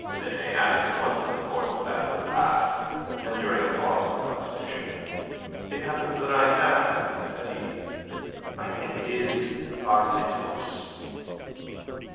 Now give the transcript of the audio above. Binet asked him once in the course of that repast and during a pause in the conversation. "It happens that I have," said he. "I think it is Parvissimus."